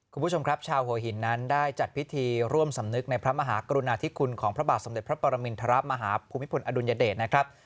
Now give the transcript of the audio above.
คุณผู้ชมครับชาวหัวหินนั้นได้จัดพิธีร่วมสำนึกในพระมหากรุณาธิคุณของพระบาทสมเด็จพระปรมินทรมาฮภูมิพลอดุลยเดชนะครับ